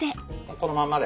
このまんまで。